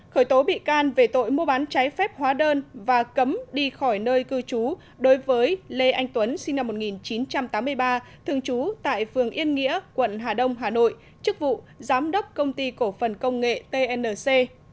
khởi tố bị can về tội mua bán trái phép hóa đơn và cấm đi khỏi nơi cư trú đối với lê anh tuấn sinh năm một nghìn chín trăm tám mươi ba thường trú tại phường yên nghĩa quận hà đông hà nội chức vụ giám đốc công ty cổ phần công nghệ tnc